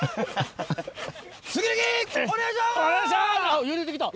あっ揺れてきた。